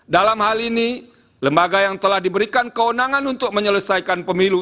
dalam hal ini lembaga yang telah diberikan kewenangan untuk menyelesaikan pemilu